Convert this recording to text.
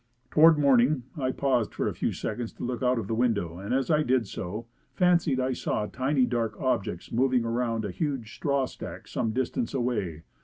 Toward morning, I paused for a few seconds to look out of the window and as I did so, fancied I saw tiny dark objects moving around a huge straw stack some distance away.